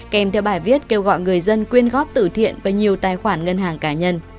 kèm theo bài viết kêu gọi người dân quyên góp tử thiện với nhiều tài khoản ngân hàng cá nhân